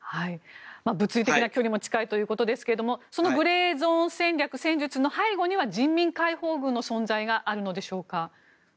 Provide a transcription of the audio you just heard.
物理的な距離も近いということですがそのグレーゾーン戦術の背後には人民解放軍の存在があるのでしょうか。